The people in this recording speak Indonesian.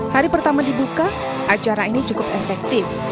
hari pertama dibuka acara ini cukup efektif